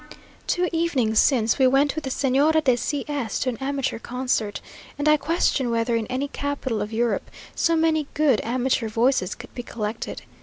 Two evenings since, we went with the Señora de C s to an amateur concert; and I question whether in any capital of Europe, so many good amateur voices could be collected.